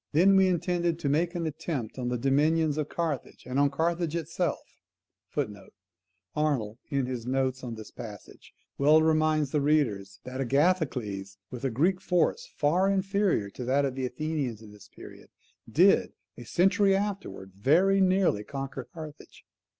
Then we intended to make an attempt on the dominions of Carthage, and on Carthage itself. [Arnold, in his notes on this passage, well reminds the reader that Agathocles, with a Greek force far inferior to that of the Athenians at this period, did, a century afterwards, very nearly conquer Carthage.